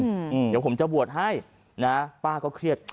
เดี๋ยวผมจะบวชให้นะป้าก็เครียด